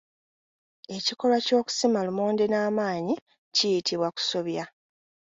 Ekikolwa ky’okusima lumonde n’amaanyi kiyitibwa kusobya.